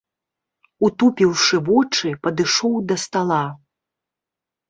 Утупіўшы вочы, падышоў да стала.